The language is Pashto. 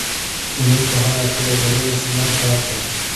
لمونځ په هر عاقل او بالغ مسلمان فرض دی .